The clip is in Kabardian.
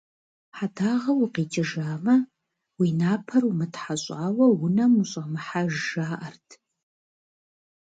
Хьэдагъэ укъикӏыжамэ, уи напэр умытхьэщӏауэ унэм ущӏэмыхьэж жаӏэрт.